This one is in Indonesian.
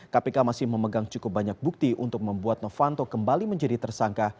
kpk masih memegang cukup banyak bukti untuk membuat novanto kembali menjadi tersangka